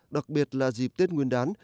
đặc biệt là dịp tết nguyên đán